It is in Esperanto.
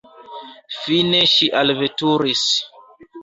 Fine ŝi alveturis.